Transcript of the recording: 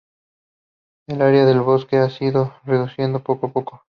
El área de bosque se ha ido reduciendo poco a poco.